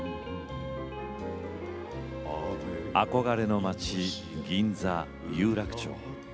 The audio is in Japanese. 憧れの街、銀座・有楽町